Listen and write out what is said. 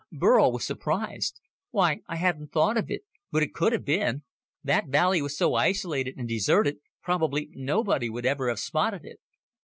Burl was surprised. "Why ... I hadn't thought of it but it could have been. That valley was so isolated and deserted, probably nobody would ever have spotted it.